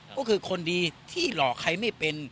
ก็คือคนดีที่หลอกใครไม่เป็น